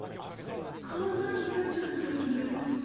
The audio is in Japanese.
こんなになっちゃったんだよ。